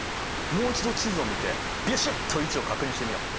もう一度地図を見てビシッと位置を確認してみよう。